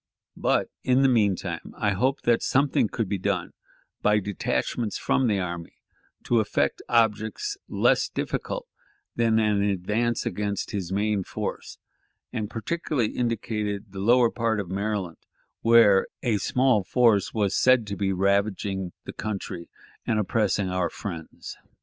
But in the mean time I hoped that something could be done by detachments from the army to effect objects less difficult than an advance against his main force, and particularly indicated the lower part of Maryland, where a small force was said to be ravaging the country and oppressing our friends.